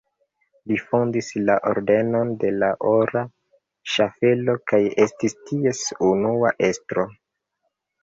Li fondis la Ordenon de la Ora Ŝaffelo kaj estis ties unua estro.